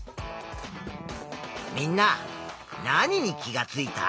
みんな何に気がついた？